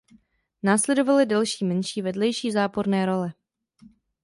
Následovaly další menší vedlejší záporné role.